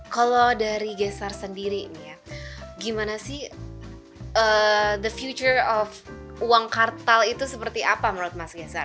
kalau dari geser sendiri nih ya gimana sih the future of uang kartal itu seperti apa menurut mas geser